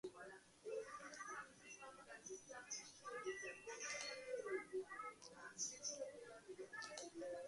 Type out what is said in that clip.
თვალის ფერადი გარსი ყვითელია.